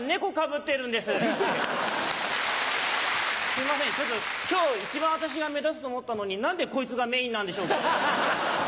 すいません今日一番私が目立つと思ったのに何でこいつがメインなんでしょうか？